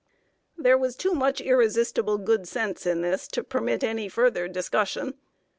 There was too much irresistible good sense in this to permit any further discussion.